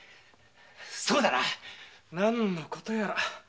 そうだな何の事やら？